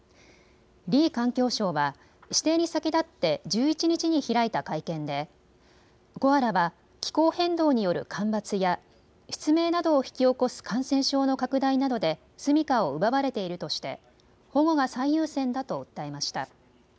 リー環境相は指定に先立って１１日に開いた会見でコアラは気候変動による干ばつや失明などを引き起こす感染症の拡大などで住みかを奪われているとして保護が最優先だと訴えました。